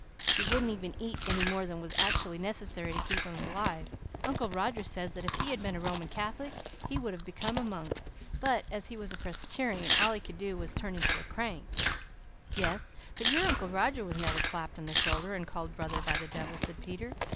He wouldn't even eat any more than was actually necessary to keep him alive. Uncle Roger says that if he had been a Roman Catholic he would have become a monk, but, as he was a Presbyterian, all he could do was to turn into a crank." "Yes, but your Uncle Roger was never clapped on the shoulder and called brother by the devil," said Peter.